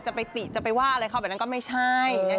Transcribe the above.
จะไปติจะไปว่าอะไรเขาแบบนั้นก็ไม่ใช่